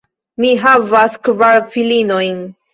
Mi havas kvar filinojn.